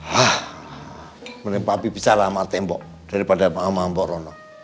hah mending papi bicara sama tembok daripada sama mbak rono